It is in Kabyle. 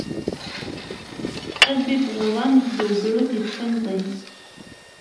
Ad bibbeɣ uḍan nekk d ugrud yetqinẓin.